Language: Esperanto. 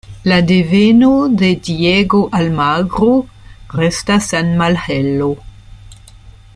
La deveno de Diego Almagro restas en malhelo.